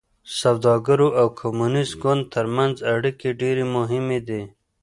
سوداګرو او کمونېست ګوند ترمنځ اړیکې ډېرې مهمې دي.